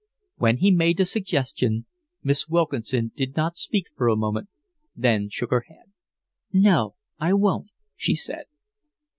When he made the suggestion, Miss Wilkinson did not speak for a moment, then shook her head. "No, I won't," she said.